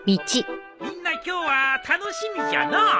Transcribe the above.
みんな今日は楽しみじゃのう。